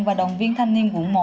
và đồng viên thanh niên quận một